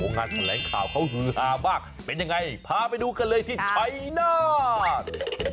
งานแถลงข่าวเขาฮือฮามากเป็นยังไงพาไปดูกันเลยที่ชัยนาธ